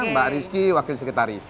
mbak rizky wakil sekretaris